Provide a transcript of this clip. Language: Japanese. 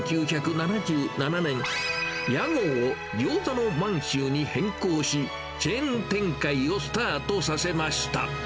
１９７７年、屋号をぎょうざの満州に変更し、チェーン展開をスタートさせました。